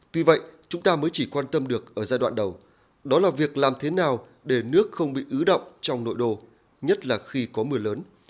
tuy vậy chúng ta mới chỉ quan tâm được ở giai đoạn đầu đó là việc làm thế nào để nước không bị ứ động trong nội đô nhất là khi có mưa lớn